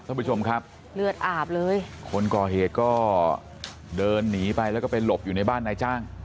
ท่านผู้ชมครับเลือดอาบเลยคนก่อเหตุก็เดินหนีไปแล้วก็ไปหลบอยู่ในบ้านนายจ้าง